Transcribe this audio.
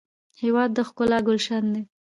هېواد د ښکلا ګلشن دی.